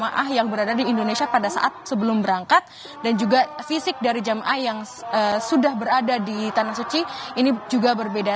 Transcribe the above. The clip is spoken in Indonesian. jemaah yang berada di indonesia pada saat sebelum berangkat dan juga fisik dari jamaah yang sudah berada di tanah suci ini juga berbeda